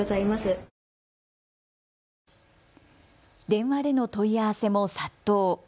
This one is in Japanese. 電話での問い合わせも殺到。